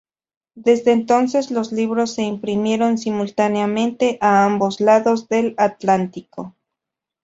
Desde entonces los libros se imprimieron simultáneamente a ambos lados del Atlántico.